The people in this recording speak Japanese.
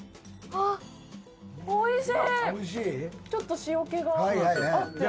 ちょっと塩気があって。